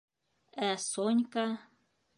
Ә Сонька...